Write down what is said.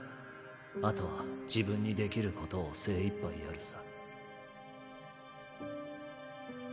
あとは自分にできることを精いっぱいやるさ